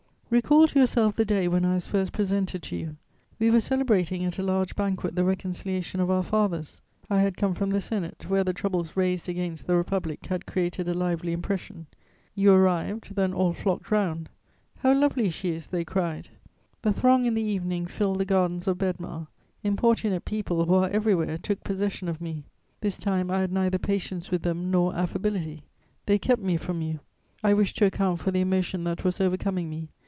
"Recall to yourself the day when I was first presented to you. We were celebrating at a large banquet the reconciliation of our fathers. I had come from the Senate, where the troubles raised against the Republic had created a lively impression.... You arrived; then all flocked round: "'How lovely she is!' they cried.... "The throng in the evening filled the gardens of Bedmar. Importunate people, who are everywhere, took possession of me. This time I had neither patience with them nor affability: they kept me from you!... I wished to account for the emotion that was overcoming me.